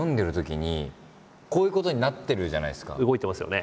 動いてますよね。